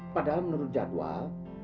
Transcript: padahal menurut jadwal